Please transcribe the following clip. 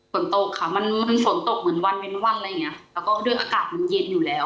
ฝนตกไหมมันหวานมีอากาศมันแย่อยู่แล้ว